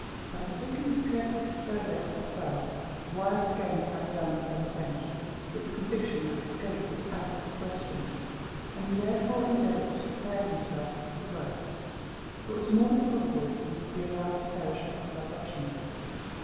Having taken this careful survey of the cell, Wyat again sat down upon the bench with the conviction that escape was out of the question; and he therefore endeavoured to prepare himself for the worst, for it was more than probable he would be allowed to perish of starvation.